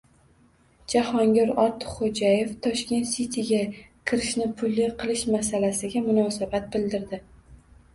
Jahongir Ortiqxo‘jayev “Tashkent Sity”ga kirishni pulli qilish masalasiga munosabat bildirdi